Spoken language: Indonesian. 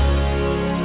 kamu hebat murdi